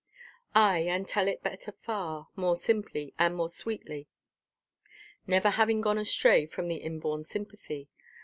Ay, and tell it better far, more simply, and more sweetly, never having gone astray from the inborn sympathy.